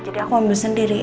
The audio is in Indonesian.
jadi aku ngambil sendiri